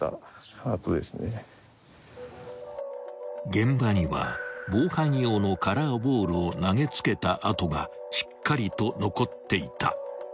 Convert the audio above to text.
［現場には防犯用のカラーボールを投げ付けた跡がしっかりと残っていた］